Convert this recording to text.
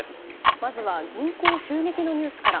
まずは銀行襲撃のニュースから。